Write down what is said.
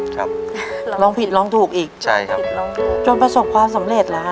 ครับร้องผิดร้องถูกอีกใช่ครับผิดร้องถูกจนประสบความสำเร็จเหรอฮะ